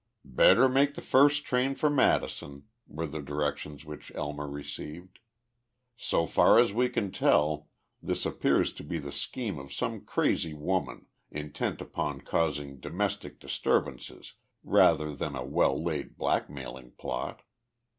"Better make the first train for Madison," were the directions which Elmer received. "So far as we can tell, this appears to be the scheme of some crazy woman, intent upon causing domestic disturbances, rather than a well laid blackmailing plot.